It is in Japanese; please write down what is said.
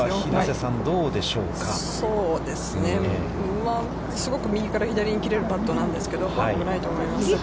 そうですね、すごく右から左に切れるパットなんですけど、悪くないと思います。